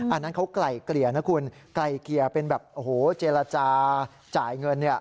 อันนั้นเขาไก่เกลี่ยนะคุณไก่เกลี่ยเป็นแบบเจรจาจ่ายเงิน